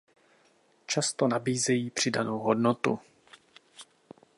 Často nabízejí přidanou hodnotu.